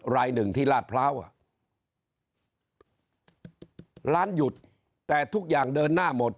รายหนึ่งที่ลาดพร้าวร้านหยุดแต่ทุกอย่างเดินหน้าหมด